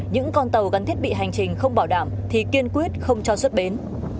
những con tàu gắn thiết bị hành trình không bảo đảm thì kiên quyết không cho xuất bến